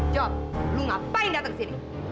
job lu ngapain datang ke sini